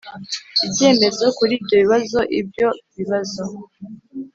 ibyemezo kuri ibyo bibazo ibyo bibazo